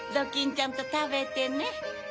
ちゃんとたべてね。